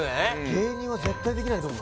芸人は絶対できないと思う